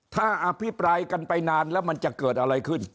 ถ้าอภิปรายกันไปนานแล้วมันจะเกิดอะไรขึ้น